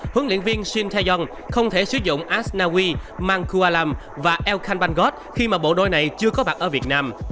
huấn luyện viên shin tae yong không thể sử dụng asnawi mangkualam và elkhan banggot khi mà bộ đôi này chưa có mặt ở việt nam